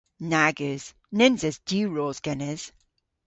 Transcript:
Nag eus. Nyns eus diwros genes.